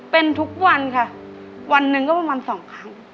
เป็นทุกวันค่ะวันหนึ่งก็ประมาณสองครั้ง